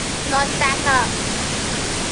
مصطفی